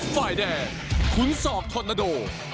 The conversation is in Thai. ไฟแดนขุนศอกธรรณโด